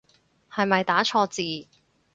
係咪打錯字